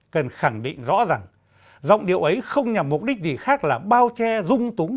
cần khẳng định rõ rằng giọng điệu ấy không nhằm mục đích gì khác là bao che dung túng